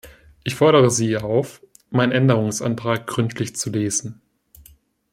Ich fordere Sie auf, meinen Änderungsantrag gründlich zu lesen.